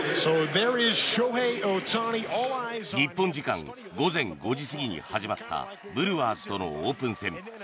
日本時間午前５時過ぎに始まったブルワーズとのオープン戦。